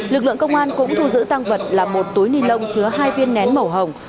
lực lượng công an cũng thu giữ tăng vật là một túi ni lông chứa hai viên nén màu hồng